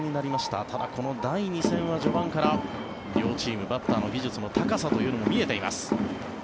ただ、第２戦は序盤から両チームバッターの技術の高さというのも見えています。